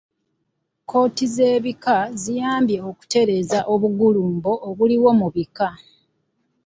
Kkooti z'ebika ziyambye okukendeeza obugulumbo obuliwo mu bika.